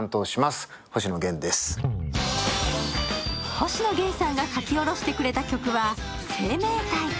星野源さんが書き下ろしてくれた曲は「生命体」。